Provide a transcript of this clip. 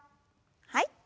はい。